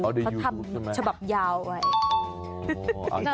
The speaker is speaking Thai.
เขาทำฉบับยาวไว้